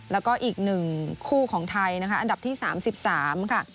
แล้วก็อีก๑คู่ของไทยนะคะอันดับที่๓๓ค่ะ